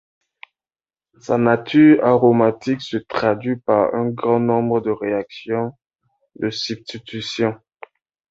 Sa nature aromatique se traduit par un grand nombre de réactions de substitution.